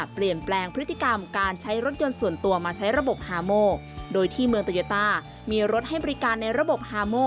เปลี่ยนแปลงพฤติกรรมการใช้รถยนต์ส่วนตัวมาใช้ระบบฮาโมโดยที่เมืองโตโยต้ามีรถให้บริการในระบบฮาโม